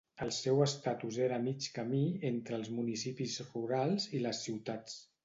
El seu estatus era a mig camí entre els municipis rurals i les ciutats.